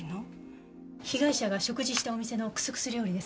被害者が食事したお店のクスクス料理です。